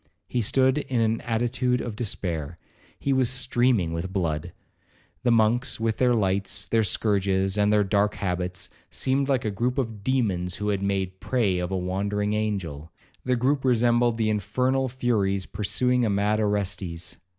He stood in an attitude of despair—he was streaming with blood. The monks, with their lights, their scourges, and their dark habits, seemed like a groupe of demons who had made prey of a wandering angel,—the groupe resembled the infernal furies pursuing a mad Orestes.